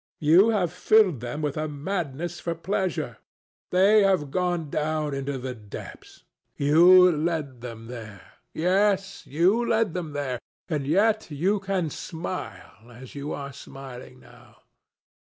You have filled them with a madness for pleasure. They have gone down into the depths. You led them there. Yes: you led them there, and yet you can smile, as you are smiling now.